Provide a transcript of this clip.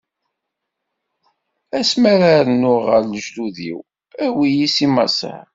Ass mi ara rnuɣ ɣer lejdud-iw, awi-yi si Maṣer.